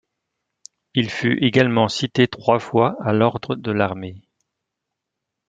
Il fut également cité trois fois à l'ordre de l'armée.